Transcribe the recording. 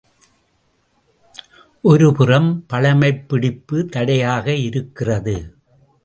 ஒருபுறம் பழைமைப்பிடிப்பு தடையாக இருக்கிறது.